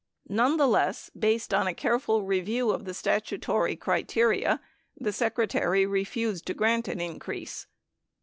Nonetheless, based on a careful review of the statutory criteria, the Secretary refused to grant an increase.